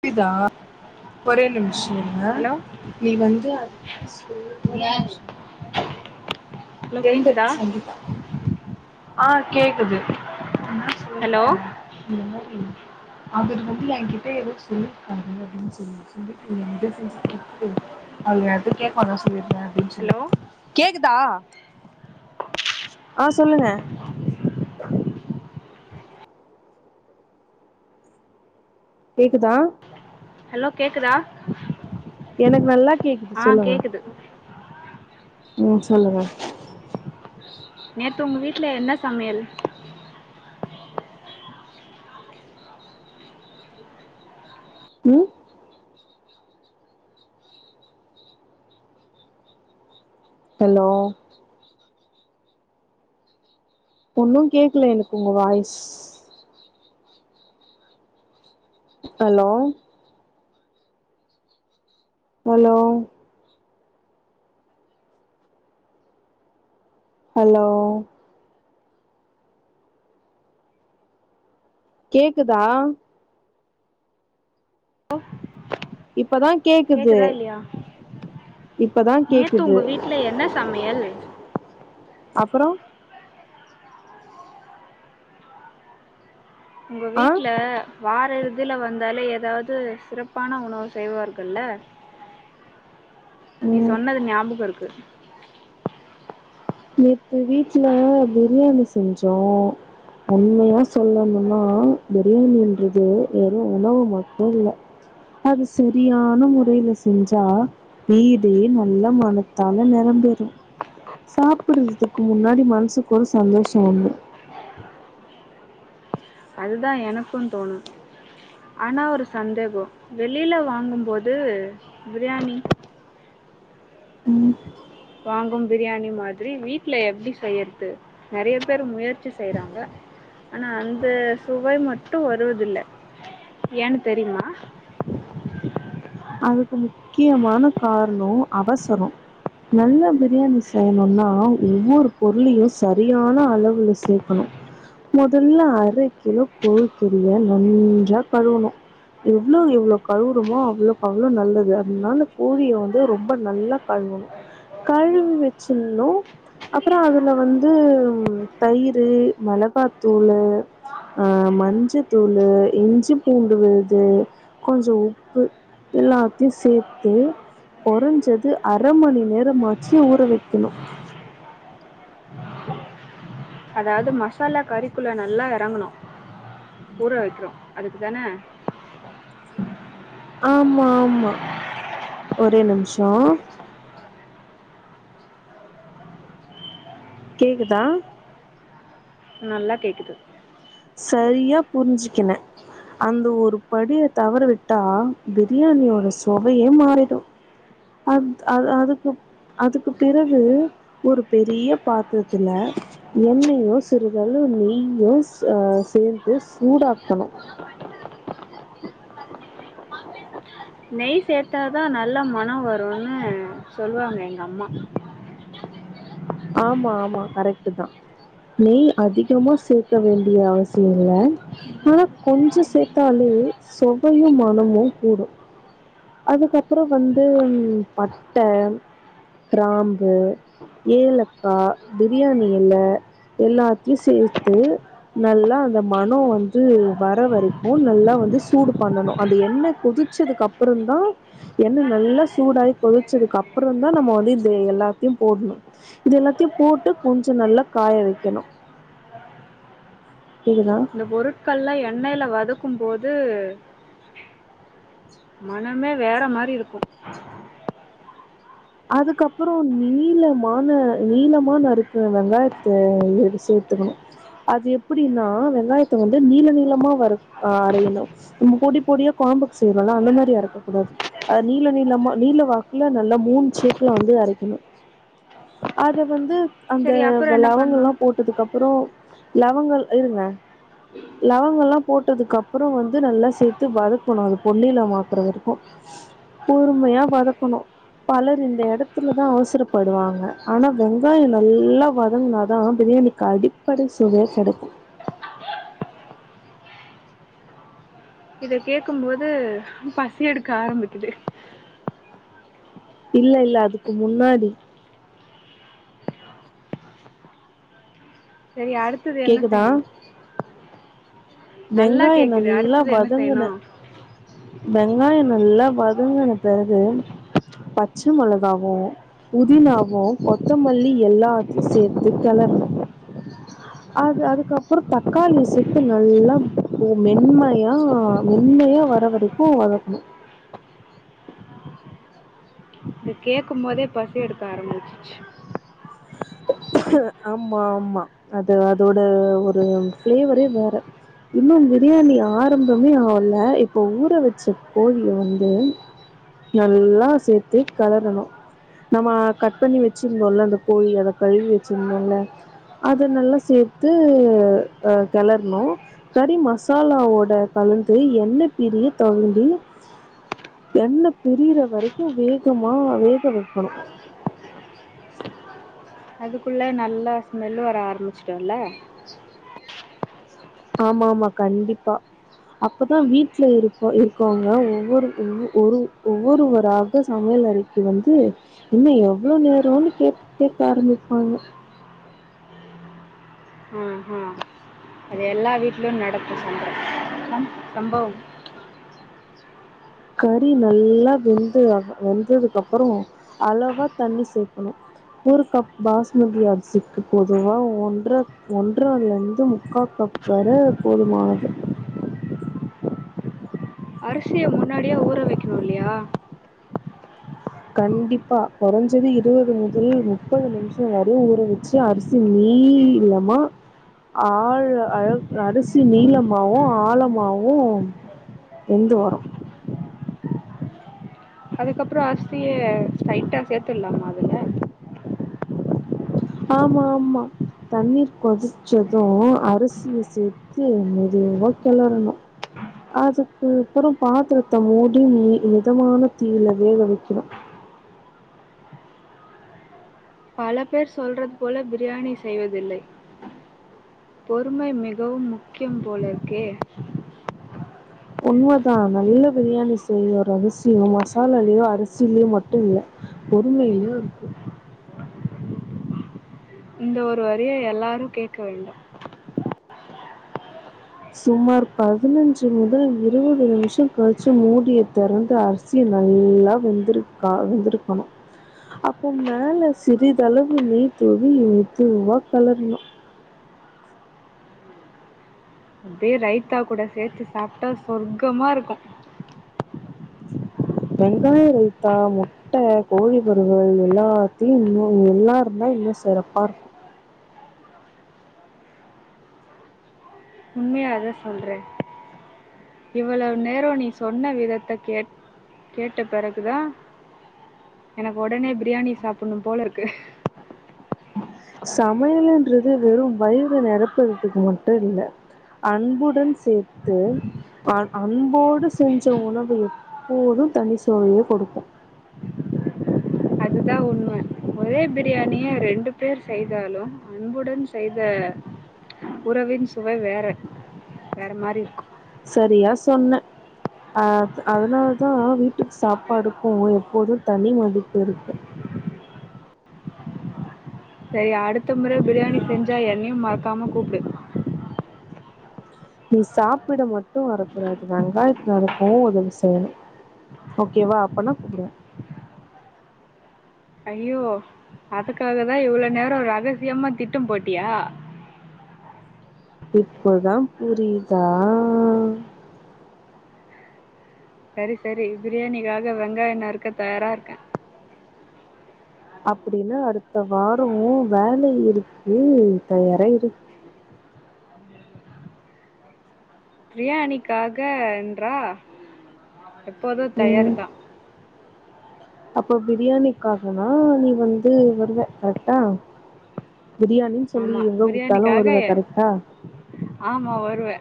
புரிதா ஒரே நிமிஷ இருங்க ஹலோ நீ வந்து [inaudible] நீ யாரு ஹலோ ஃப்ரெண்டு கேட்குதா சங்கீதா ஆ கேக்குது அததா சொல்ற ஹலோ இந்த மாரி அவரு வந்து எங்கிட்ட எதோ சொல்லிருக்காரு அப்டின்னு சொல்லி [unintelligible] கேப்பாங்க சொல்லிரு அப்டின் சொல் ஹலோ கேக்குதா ஆ சொல்லுங்க கேக்குதா ஹலோ கேக்குதா எனக்கு நல்லா கேக்குது ஆ சொல்லுங்க கேட்குது ம் சொல்லுங்க நேத்து உங்க வீட் ல என்ன சமையல் ம் ஹலோ ஒன்னு கேக்கல எனக்கு உங்க வாய்ஸ் ஹலோ ஹலோ ஹலோ கேக்குதா கோ இப்பதான் கேக்குது இப்பதான் நேற்று கேக்குது உங்கள் வீட்டில் என்ன சமையல் அப்புறம் உங்க ஆ வீட்டு்ல வார இறுதில வந்தாலே ஏதாவது சிறப்பான உணவு செய்வார்கள்ல நீ சொன்னது ஞாபகம் இருக்கு ச் நீ வீட்டுல பிரியாணி செஞ்சோம் உண்மையா சொல்லணும்னா பிரியாணன்றது வெறும் உணவு மட்டும் இல்லை அது சரியான முறையில செஞ்சா வீடு நல்ல மனத்தால நிரம்பிறும் சாப்பிடுறதுக்கு முன்னாடி மனசுக்கு ஒரு சந்தோஷம் உண்டு அதுதான் எனக்கும் தோணும் ஆனா ஒரு சந்தேகம் வெளியில வாங்கும்போது பிரியாணி வாங்கும் பிரியாணி மாதிரி வீட்டுல எப்படி செய்யறது நிறைய பேரு முயற்சி செய்யறாங்க ஆனா அந்த சுவை மட்டும் வருவதில்ல ஏன்னு தெரியுமா அதுக்கு முக்கியமான காரணம் அவசரம் நல்ல பிரியாணி செய்யணும்னா ஒவ்வொரு பொருளையும் சரியான அளவுல சேர்க்கணும் முதல்ல அரை கிலோ கொழிக்கறிய நன்றா கழுவுணும் எவ்ளோ எவ்ளோ கழுவுறமோ அவ்ளோக்கோ அவ்ளோ அளவு நல்லது அதனால கோழிய வந்து ரொம்ப நல்லா கழுவணும் கழுவி வச்சிறனும் அப்புறம் அதுல வந்து தயிர் மிளகாத்தூளு ஆஹ் மஞ்சத்தூளு இஞ்சி பூண்டு விளுது கொஞ்சம் உப்பு எல்லாத்தையும் சேர்த்து குறைஞ்சது அரை மணி நேரமாச்சு ஊற வைக்கணும் அதாவது மசாலா கறிக்குள்ள நல்லா இறங்கணும் ஊற வைக்கிறோம் அதுக்குதானே ஆமா ஆமா ஒரே நிமிஷம் கேக்குதா நல்லா கேக்குது சரியாக புரிஞ்சிக்கினேன் அந்த ஒரு படியை தவற விட்டா பிரியாணியோட சுவையே மாறிடும் அது அது அது அதுக்கு அதுக்கு பிறகு ஒரு பெரிய பாத்திரத்துல எண்ணெய்யையும் சிறுதவு நெய்யும் அஹ் சேர்த்து சூடாக்கணும் நெய் சேர்த்தாதான் நல்லா மனம் வரும்ன்னு சொல்லுவாங்க எங்க அம்மா ஆமா ஆமா கரெக்ட் தான் நெய் அதிகமா சேர்க்க வேண்டிய அவசியம் இல்ல ஆனா கொஞ்சம் சேர்த்தாலே சுவையும் மனமும் கூடும் அதுக்கப்புறம் வந்து பட்டை கிராம்பு ஏலக்காய் பிரியாணி இலை எல்லாத்தையும் சேர்த்து நல்லா அந்த மனம் வந்து வர வரைக்கும் நல்லா வந்து சூடு பண்ணணும் அந்த எண்ணெய் கொதிச்சதுக்குப்புறம் அப்புறம தான் எண்ணெய் நல்லா சூடாயி கொதிச்சதுக்கு அப்புறம் தான் நம்ம வந்து இது எல்லாத்தையும் போடணும் இது எல்லாத்தையும் போட்டு கொஞ்சம் நல்லா காய வைக்கணும் இந்த பொருட்கள்ல எண்ணெய்யில வதக்கும் க்கும்போது மனமே வேற மாதிரி இருக்கும் அதுக்கப்புறம் நீளமான நீளமான தறுக்க வெங்காயத்தை சேர்த்துக்கணும் அது எப்படின்னா வெங்காயத்தை வந்து நீல நீளமா வரஹ் அரையணும் நம்ம பொடி பொடியா கோழம்புக்கு செய்வோம்லாம் அந்த மாதிரி அறுக்கக் கூடாது அது நீல நீளமா நீல வாக்குல நல்லா மூண் சிப்ல வந்து அரைக்கணும் அத வந்து சரி அப்புறம் என்ன அந்தலவங்கள் பண்ணணும் எல்லாம் போட்டதுக்கு அப்புறம் லவங்கள் இருங்க லவங்கம் எல்லாம் போட்டதுக்கு அப்புறம் வந்து நல்லா சேர்த்து வதக்கணும் அது பொன்னியில மாக்குறதுரைக்கும் பொறுமையா வதக்கணும் பல இந்த இடத்துலதான் அவசரப்படுவாங்க ஆனா வெங்காயம் நல்லா வதங்கினாதான் பிரியாணிக்கு அடிப்படை சுவையே கிடைக்கும் இத கேடக்கும்போது பசி எடுக்க ஆரம்பிக்குது இல்ல இல்ல அதுக்கு முன்னாடி சரி அடுத்தது என்ன செய்யணும் நல்லா வெங்காயம் கேட்குது நல்லா அடுத்தது என்ன வதங்குன செய்யணும் வெங்காயோ நல்லா வதங்குன பிறகு பச்சமொளகாவு புதினாவும் கொத்தமல்லி எல்லாத்தியும் சேத்து கெளறணு அது அதுக்கப்புறோ தக்காளிய சேத்து நல்லா மென்மையா மென்மையா வர வரைக்கும் வதக்கணு இத கேக்கும் போதே பசி எடுக்க ஆரம்பிச்சிச்சு ஆமா ஆமா அது அதோட ஒரு ஃபிளேவரே வேற இன்னு பிரியாணி ஆரம்பமே ஆகல இப்ப ஊற வச்ச கோழிய வந்து நல்லா சேத்து களறணு நம்ம கட் பண்ணி வச்சிருந்தோன்ல அந்த கோழி அத கழுவி வச்சிருந்தோம்ல அத நல்லா சேத்து அ கெளறணு கறி மசாலாவோட கலந்து எண்ண பிரிய தொவண்டி எண்ண பிரியிற வரைக்கும் வேகமா வேக வெக்கணு அதுக்குள்ள நல்லா ஸ்மெல்லு வர ஆரம்பிச்சு ல்ல ஆமா ஆமா கண்டிப்பா அப்பதா வீட்ல இருப்போ இருக்கவங்க ஒவ்வொரு ஒ ஒரு ஒவ்வொருவராக சமையல் அறைக்கு வந்து இன்னு எவ்ளோ நேரோன்னு கேக் கேக்க ஆரம்பிப்பாங்க ஆஹா அது எல்லா வீட்லயும் நடக் [unintelligible] சம்பவம் கறி நல்லா வெந்து அப் வெந்ததுக்கு அப்பறோ அளவா தண்ணி சேக்கணு ஒரு கப் பாஸ்மதி அரிசிக்கு பொதுவா ஒன்ற ஒன்றலந்து முக்கா கப் வர போதுமானது அரிசிய முன்னாடியா ஊற வெக்கணு இல்லையா கண்டிப்பா கொறஞ்சது இருவது முதல் முப்பது நிம்ஷம் வரை ஊறவச்சு அரிசி நீளமா ஆழ அழ அரிசி நீளமாவும் ஆழமாவும் வெந்து வரும் அதுக்கப்றோ அரிசி ஸ்டெயிட்டா சேத்துட்லாமா அதுல ஆமா ஆமா தண்ணீர் கொதிச்சதும் அரிசிய சேர்த்து மெதுவா கெளறணு அதுக்கு அப்பறோ பாத்தரத்த மூடி மீ மிதமான தீயில வேக வெக்கணு பல பேர் சொல்றது போல பிரியாணி செய்வதில்லை பொறுமை மிகவும் முக்கியம் போல இருக்கே உண்மதான நல்ல பிரியாணி செய்ய ஒரு அரிசியோ மசாலாலயோ அரிசிலயோ மட்டும் இல்ல பொறுமைலயு இருக்கு இந்த ஒரு வரிய எல்லாரும் கேக்க வேண்டும் சுமார் பதினஞ்சு முதல் இருவது நிமிஷம் கழிச்சு மூடிய தொறந்து அரிசி நல்லா வெந்துருக்கா வெந்திருக்கணு அப்போ மேல சிறிதளவு நெய் தூவி மெதுவா களறணு அப்டியே ரைத்தா கூட சேத்து சாப்ட்டா சொர்க்கமா இருக்கும் வெங்காய ரைத்தா முட்ட கோழி வறுவல் எல்லாத்தியும் இன்னு எல்லா இருந்தா இன்னு சிறப்பா இருக்கும் அத சொல்றேன் இவ்வளவு நேரோ நீ சொன்ன விதத்த கேட் கேட்ட பிறகுதா எனக்கு உடனே பிரியாணி சாப்புட்ணு போல இருக்கு சமையலுன்றது வெறும் வயிற நெரப்புறதுக்கு மட்டு இல்ல அன்புடன் சேர்த்து பா அன்போடு செஞ்ச உணவு எப்போதும் தனி சுவைய கொடுக்கும் அதுதான் உண்மை ஒரே பிரியாணிய ரெண்டு பேர் செய்தாலும் அன்புடன் செய்த உறவின் சுவை வேற வேற மாரி இருக்கும் சரியா சொன்ன ஆ அதனாலதா வீட்டு சாப்பாடுக்கும் எப்போதும் தனி மதிப்பு இருக்கு சேரி அடுத்த முறை பிரியாணி செஞ்சா என்னையும் மறக்காம கூப்டு நீ சாப்பிட மட்டும் வரக்கூடாது வெங்காயத்து நறுக்கவும் உதவி செய்யணு ஓகேவா அப்பனா கூப்புடுவே ஐயோ அதுக்காக தா இவ்ளோ நேரோ ரகசியமா திட்டம் போட்டியா இப்போதா புரியுதா சரி சரி பிரியாணிக்காக வெங்காயோ நறுக்க தயாரா இருக்கேன் அப்டின்னா அடுத்த வாரோ வேல இருக்கு தயாரா இரு பிரியாணிக்காக என்றா எப்போதும் தயாரு தா அப்ப பிரியாணிக்காகனா நீ வந்து வருவ கரெக்டா பிரியாணி சொல்லி ஆமா எங்க கூப்ட்டாலு பிரியாணிக்காக வருவ எ- கரெக்டா ஆமா வருவே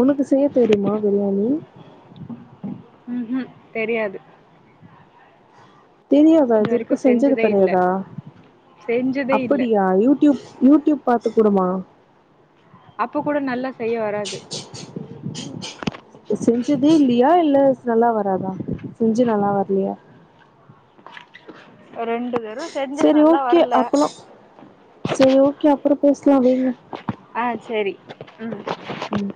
உனக்கு செய்ய தெரியுமா பிரியாணி ம்ஹும் தெரியாது தெரியாதா இது வரைக்கு வரைக்கும் செஞ்சது செஞ்சதே இல்ல கடையாதா செஞ்சதே இல்ல அப்படியா யூடியூப் யூடியூப் பாத்து கூடுமா அப்ப கூட நல்லா செய்ய வராது செஞ்சதே இல்லையா இல்ல நல்லா வராதா செஞ்சு நல்லா வர்லையா ரெண்டு தர சரி ஓகே அப்பலாம் சேரி ஓகே அப்புறம் பேசலாம் வைங்க ஆஹ் சரி உம் உம்